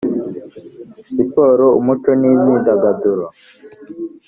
siporo umuco n imyidagaduro